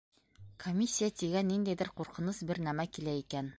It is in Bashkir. Комиссия тигән ниндәйҙер ҡурҡыныс бер нәмә килә икән.